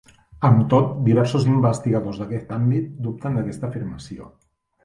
Amb tot, diversos investigadors d'aquest àmbit dubten d'aquesta afirmació.